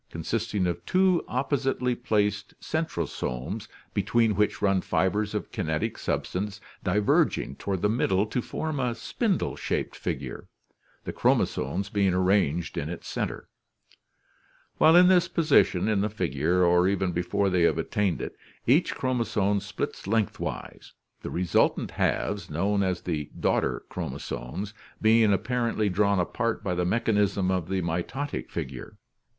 24), consist ing of two oppositely placed centrosomes, between which run fibers of kinetic substance diverging toward the middle to form a spindle shaped figure, the chromosomes being arranged in its THE LIFE CYCLE 195 center. While in this position in the figure, or even before they have attained it, each chromosome splits lengthwise, the resultant halves, known as the daughter chromosomes, being apparently drawn apart by the mechanism of the mitotic figure.